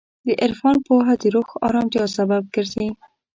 د عرفان پوهه د روح ارامتیا سبب ګرځي.